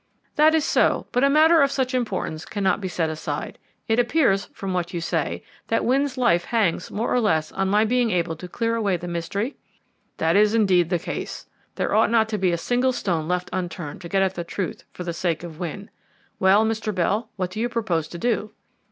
"That is so; but a matter of such importance cannot be set aside. It appears, from what you say, that Wynne's life hangs more or less on my being able to clear away the mystery?" "That is indeed the case. There ought not to be a single stone left unturned to get at the truth, for the sake of Wynne. Well, Mr. Bell, what do you propose to do?"